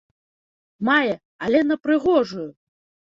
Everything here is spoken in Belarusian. Мае, але на прыгожую!